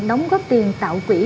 đóng góp tiền tạo quỹ